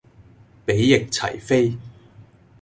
比翼齊飛